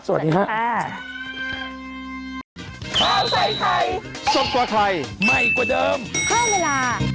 สวัสดีค่ะ